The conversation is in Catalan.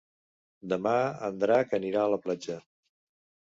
Demà en Drac anirà a la platja.